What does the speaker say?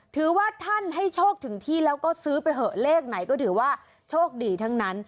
ถือว่าท่านให้โชคถึงที่แล้วก็ซื้อไปเถอะเลขไหนก็ถือว่าโชคดีทั้งนั้น